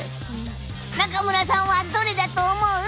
中村さんはどれだと思う？